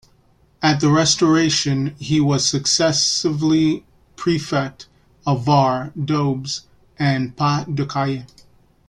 At the Restoration he was successively prefect of Var, Doubs and Pas-de-Calais.